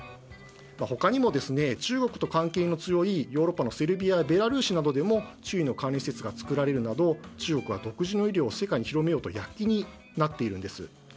他にも、中国と関係の強いヨーロッパのセルビアやベラルーシなどでも中医の関連施設が作られるなど中国は独自の医療を世界に広めようと躍起になっているんです。